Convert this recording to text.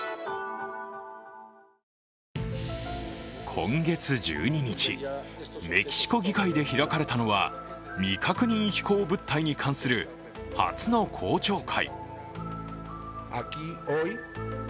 今月１２日、メキシコ議会で開かれたのは未確認飛行物体に関する初の公聴会。